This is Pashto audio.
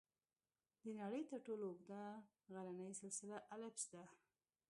د نړۍ تر ټولو اوږده غرني سلسله الپس ده.